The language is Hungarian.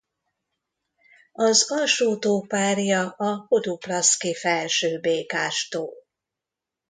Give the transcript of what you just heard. Az alsó tó párja a Poduplaszki-Felső-Békás-tó.